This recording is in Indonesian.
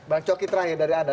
bang coki terakhir dari anda